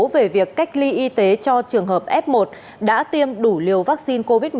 về việc cách ly y tế cho trường hợp f một đã tiêm đủ liều vaccine covid một mươi chín